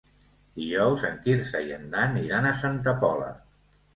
Dijous en Quirze i en Dan iran a Santa Pola.